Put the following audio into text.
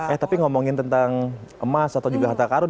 eh tapi ngomongin tentang emas atau juga harta karun